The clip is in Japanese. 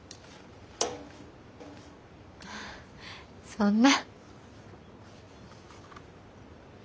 そんな。